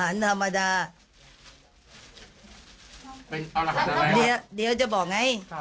แม่ของแม่ชีอู๋ได้รู้ว่าแม่ของแม่ชีอู๋ได้รู้ว่า